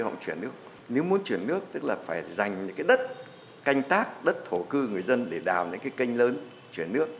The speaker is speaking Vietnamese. nếu muốn chuyển nước tức là phải dành những cái đất canh tác đất thổ cư người dân để đào những cái canh lớn chuyển nước